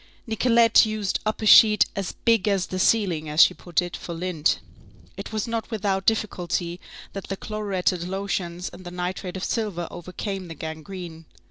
Nicolette used up a sheet "as big as the ceiling," as she put it, for lint. It was not without difficulty that the chloruretted lotions and the nitrate of silver overcame the gangrene.